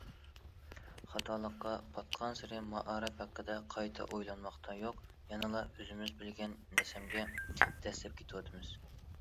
خاتالىققا پاتقانسېرى مائارىپ ھەققىدە قايتا ئويلانماقتا يوق، يەنىلا ئۆزىمىز بىلگەن سەنەمگە دەسسەپ كېتىۋاتىمىز.